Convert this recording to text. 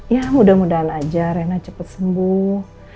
ya mudah mudahan aja rena cepat sembuh